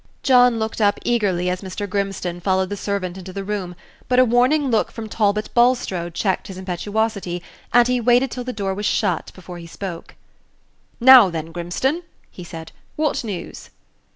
John looked up eagerly as Mr. Grimstone followed the servant into the room; but a warning look from Talbot Bulstrode checked his impetuosity, and he waited till the door was shut before he spoke. "Now, then, Grimstone," he said, "what news?"